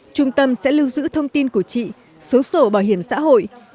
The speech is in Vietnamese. trung tâm sẽ lưu giữ thông tin của chị số sổ bảo hiểm xã hội